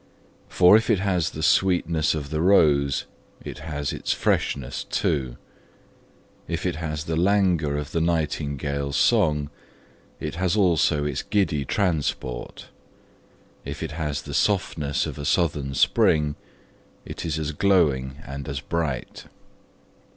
For if it has the sweetness of the rose, it has its freshness too; if it has the languor of the nightingale's song, it has also its giddy transport; if it has the softness of a southern spring, it is as glowing and as bright.